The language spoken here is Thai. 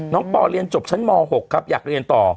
ปอเรียนจบชั้นม๖ครับอยากเรียนต่อ